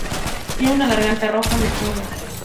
Tiene una garganta roja desnuda.